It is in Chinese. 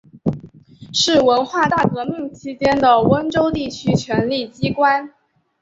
是文化大革命期间的温州地区权力机关。